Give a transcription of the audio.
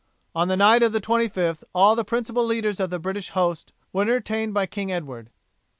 On the night of the 25th all the principal leaders of the British host were entertained by King Edward.